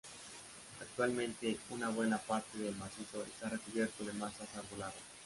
Actualmente una buena parte del macizo está recubierto de masas arboladas.